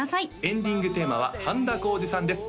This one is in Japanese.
エンディングテーマは半田浩二さんです